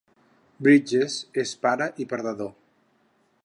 Bridges és pare i perdedor.